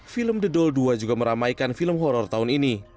film the dole dua juga meramaikan film horror tahun ini